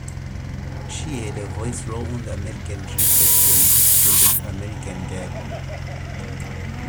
She had a voice role on the "American Dream Factory" episode of "American Dad!".